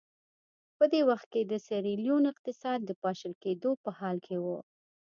په دې وخت کې د سیریلیون اقتصاد د پاشل کېدو په حال کې و.